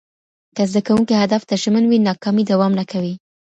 که زده کوونکي هدف ته ژمن وي، ناکامي دوام نه کوي.